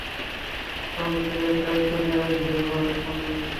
Sonic, নিজের দায়িত্ব নেওয়াই হিরো হওয়ার একমাত্র পরিচয় নয়।